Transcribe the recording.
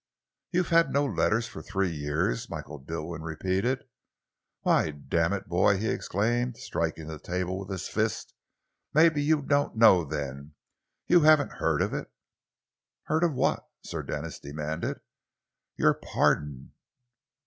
"You've had no letters for three years," Michael Dilwyn repeated. "Why, d n it, boy," he exclaimed, striking the table with his fist, "maybe you don't know, then? You haven't heard of it?" "Heard of what?" Sir Denis demanded. "Your pardon!"